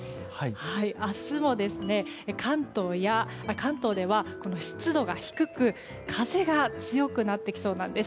明日も関東では湿度が低く風が強くなってきそうなんです。